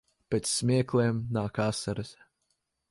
Pēc smiekliem nāk asaras.